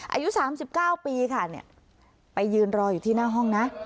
อายุสามสิบเก้าปีค่ะเนี่ยไปอยู่ที่หน้าห้องนะ